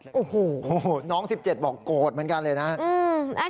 โอ้โฮโอ้โฮน้อง๑๗บอกโกรธเหมือนกันเลยนะอืม